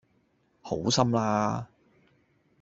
好心啦